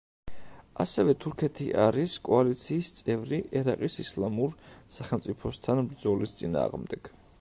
ასევე თურქეთი არის კოალიციის წევრი ერაყის ისლამურ სახელმწიფოსთან ბრძოლის წინააღმდეგ.